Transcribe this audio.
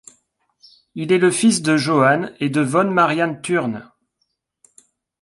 Il est le fils de Johann et de von Marianne Thurnes.